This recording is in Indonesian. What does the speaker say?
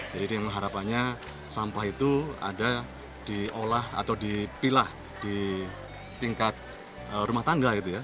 jadi harapannya sampah itu ada diolah atau dipilah di tingkat rumah tangga gitu ya